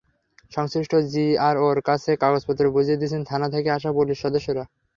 সংশ্লিষ্ট জিআরওর কাছে কাগজপত্র বুঝিয়ে দিচ্ছেন থানা থেকে আসা পুলিশ সদস্যরা।